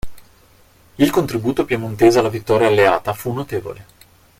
Il contributo piemontese alla vittoria alleata fu notevole.